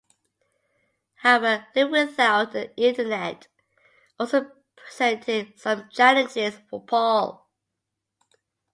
However, living without the internet also presented some challenges for Paul.